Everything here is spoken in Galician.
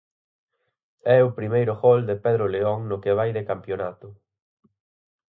É o primeiro gol de Pedro León no que vai de campionato.